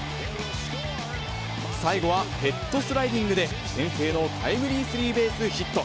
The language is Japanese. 最後はヘッドスライディングで、先制のタイムリースリーベースヒット。